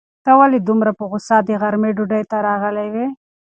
ته ولې دومره په غوسه د غرمې ډوډۍ ته راغلی وې؟